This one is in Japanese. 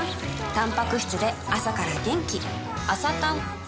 たんぱく質で朝から元気